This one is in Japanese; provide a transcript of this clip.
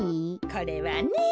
これはね。